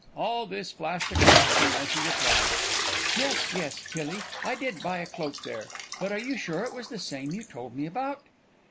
All this flashed across him as he replied, "Yes, yes, Tillie, I did buy a cloak there; but are you sure it was the same you told me about?"